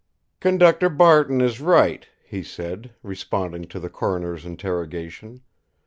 "Conductor Barton is right," he said, responding to the coroner's interrogation.